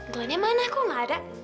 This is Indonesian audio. tuanya mana kok gak ada